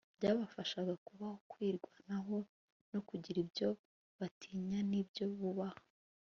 byabafashaga kubaho, kwirwanaho, no kugira ibyo batinya n'ibyo bubaha